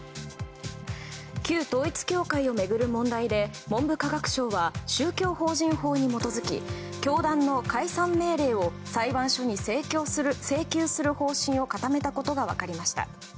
旧統一教会を巡る問題で文部科学省は宗教法人法に基づき教団の解散命令を裁判所に請求する方針を固めたことが分かりました。